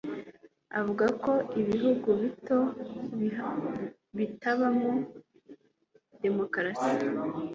Avuga ko ibihugu bito bitabamo demokarasi